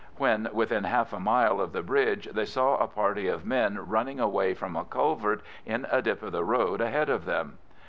When within half a mile of the bridge, they saw a party of men running away from a culvert in a dip of the road ahead of them.